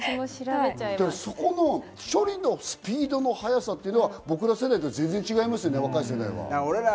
その処理のスピードの速さっていうのは僕ら世代とは全然、違いますよね、若い世代は。